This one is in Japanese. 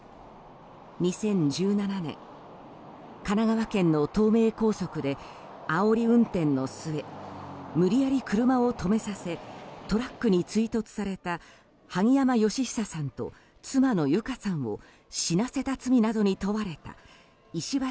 ２０１７年神奈川県の東名高速であおり運転の末無理やり車を止めさせトラックに追突された萩山嘉久さんと妻の友香さんを死なせた罪などに問われた石橋